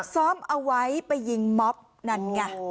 ซ้อมเอาไว้ไปยิงม็อบนั่นไง